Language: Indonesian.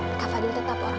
mbak fadil tetap orang baik